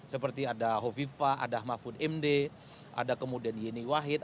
seperti ada hovifa ada mahfud md ada kemudian yeni wahid